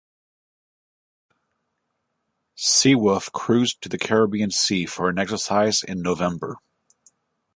"Seawolf" cruised to the Caribbean Sea for an exercise in November.